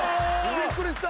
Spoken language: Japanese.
びっくりした！